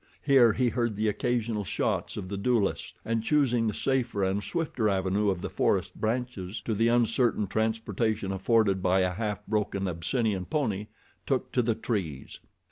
Here he heard the occasional shots of the duelists, and choosing the safer and swifter avenue of the forest branches to the uncertain transportation afforded by a half broken Abyssinian pony, took to the trees.